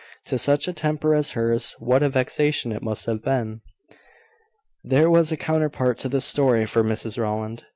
To such a temper as hers, what a vexation it must have been! There was a counterpart to this story for Mrs Rowland.